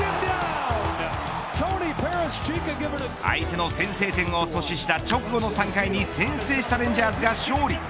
相手の先制点を阻止した直後の３回に先制したレンジャーズが勝利。